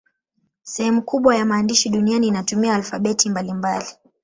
Sehemu kubwa ya maandishi duniani inatumia alfabeti mbalimbali.